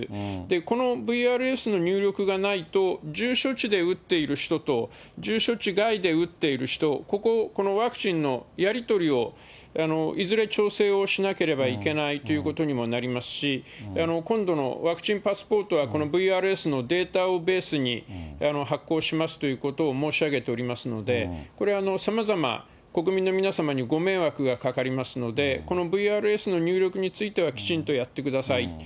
このＶＲＳの入力がないと、住所地で打っている人と、住所地以外で打っている人、ここ、ワクチンのやり取りをいずれ調整をしなければいけないということになりますし、今度のワクチンパスポートはこのＶＲＳのデータをベースに発行しますということを申し上げておりますので、これ、さまざま、国民の皆様にご迷惑がかかりますので、このＶＲＳの入力については、きちんとやってください。